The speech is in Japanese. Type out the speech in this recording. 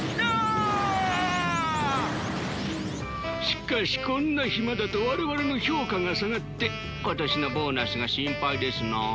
しかしこんな暇だと我々の評価が下がって今年のボーナスが心配ですな。